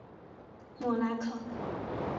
默拉克。